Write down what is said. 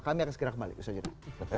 kami akan segera kembali usaha jeda